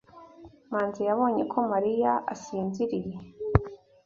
Manzi yabonye ko Mariya asinziriye.